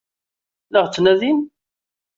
La ɣ-ttnadin?